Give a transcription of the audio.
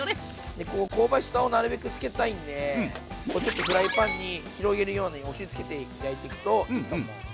でこう香ばしさをなるべくつけたいんでこうちょっとフライパンに広げるように押しつけて焼いていくといいと思う。